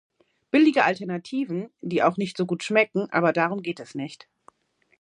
Billige Alternativen, die auch nicht so gut schmecken, aber darum geht es nicht.